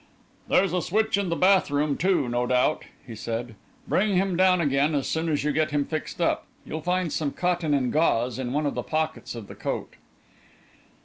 "There's a switch in the bath room, too, no doubt," he said. "Bring him down again, as soon as you get him fixed up. You'll find some cotton and gauze in one of the pockets of the coat."